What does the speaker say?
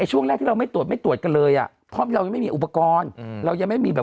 ช่วงแรกที่เราไม่ตรวจไม่ตรวจกันเลยอ่ะเพราะเรายังไม่มี